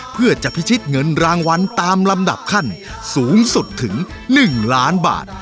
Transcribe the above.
เพื่อจะพิชิตเงินรางวัลตามลำดับขั้นสูงสุดถึง๑ล้านบาท